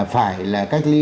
phải là cách ly